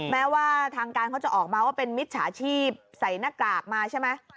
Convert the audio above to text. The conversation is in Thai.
แม้ว่าทางการเขาจะออกมาว่าเป็นมิจฉาชีพใส่หน้ากากมาใช่ไหม